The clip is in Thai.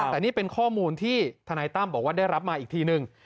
แต่นี่เป็นข้อมูลที่ธนายตั้มบอกว่าได้รับมาอีกทีนึง